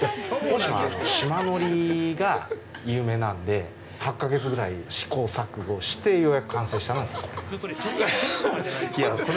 島のりが有名なんで８か月ぐらい試行錯誤してようやく完成したのがこれ。